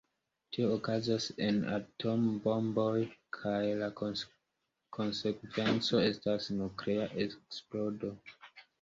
Tio okazas en atombomboj kaj la konsekvenco estas nuklea eksplodo.